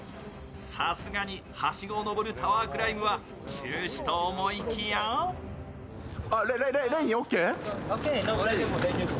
さすがにはしごをのぼるタワークライムは中止と思いきやスタートから５５分。